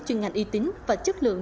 chuyên ngành y tín và chất lượng